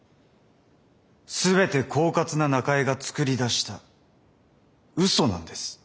全てこうかつな中江が作り出したうそなんです。